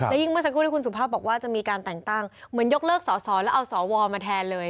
ยิ่งเมื่อสักครู่ที่คุณสุภาพบอกว่าจะมีการแต่งตั้งเหมือนยกเลิกสอสอแล้วเอาสวมาแทนเลย